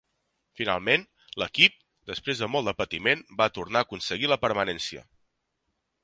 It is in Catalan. Finalment, l'equip, després de molt de patiment, va tornar a aconseguir la permanència.